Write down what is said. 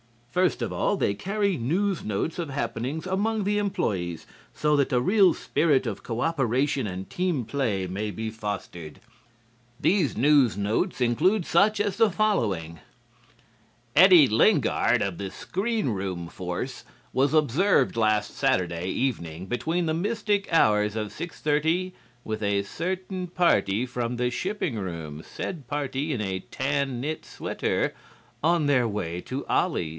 First of all, they carry news notes of happenings among the employees, so that a real spirit of cooperation and team play may be fostered. These news notes include such as the following: "Eddie Lingard of the Screen Room force, was observed last Saturday evening between the mystic hours of six thirty with a certain party from the Shipping Room, said party in a tan knit sweater, on their way to Ollie's.